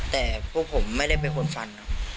แต่พวกผมไม่ได้เป็นคนฟันครับ